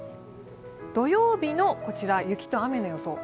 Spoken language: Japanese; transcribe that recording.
土曜日の雪と雨の予想。